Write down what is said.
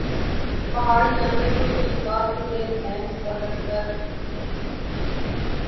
پہاڑی جانوروں کے شکار کے لئے بھیس بدل کر